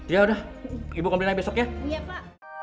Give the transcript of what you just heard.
iya udah ibu komplain aja besok ya